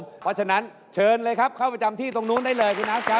เพราะฉะนั้นเชิญเลยครับเข้าประจำที่ตรงนู้นได้เลยคุณอาร์ตครับ